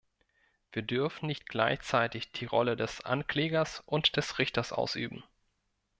Wir dürfen nicht gleichzeitig die Rolle des Anklägers und des Richters ausüben.